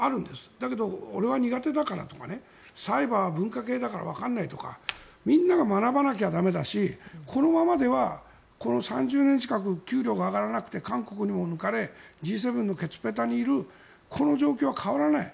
だけど、俺は苦手だからとかサイバーは文科系だからわからないとかみんなが学ばなきゃ駄目だしこのままではこの３０年近く給料が上がらなくて韓国にも抜かれＧ７のけつっぺたにいるこの状況は変わらない。